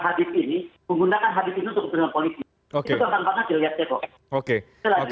menggunakan hadis itu untuk bergurau politik